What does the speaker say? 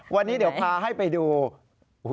วันนี้เดี๋ยวพาให้ไปดู